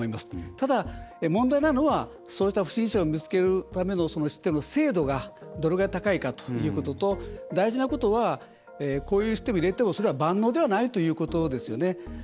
ただ、問題なのはそうした不審者を見つけるためのそのシステム、精度がどれぐらい高いかということと大事なことはこういうシステムを入れてもそれは万能ではないということですよね。